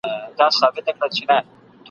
له خالقه رڼا اخلم ورځي شپو ته ورکومه ..